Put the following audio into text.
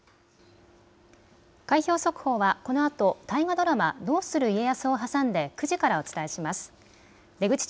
開票速報は、このあと大河ドラマどうする家康を挟んで９時からお伝えします。